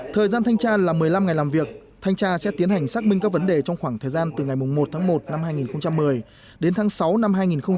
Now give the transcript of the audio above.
thời gian thanh tra là một mươi năm ngày làm việc thanh tra sẽ tiến hành xác minh các vấn đề trong khoảng thời gian từ ngày một tháng một năm hai nghìn một mươi đến tháng sáu năm hai nghìn một mươi chín